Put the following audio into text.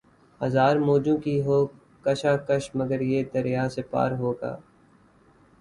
ہزار موجوں کی ہو کشاکش مگر یہ دریا سے پار ہوگا